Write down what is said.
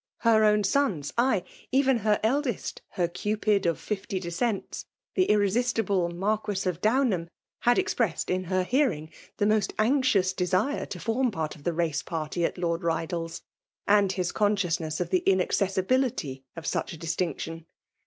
Her own sons, ay! even her eldest, her Cupid of fifty descents, the irresistible Marquis of Downham, had ex pressed in her hearing the most anxious desire to form part of the race party at Lord Bydal's, and his consciousness of the inaccessibility of such a distinction.